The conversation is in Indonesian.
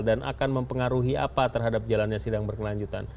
akan mempengaruhi apa terhadap jalannya sidang berkelanjutan